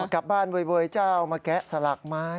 บ้านเวยเจ้ามาแกะสลักไม้